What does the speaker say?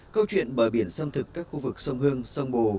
câu chuyện bờ biển xâm thực các khu vực sông hương sông bồ